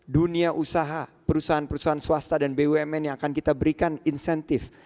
dunia usaha perusahaan perusahaan swasta dan bumn yang akan kita berikan insentif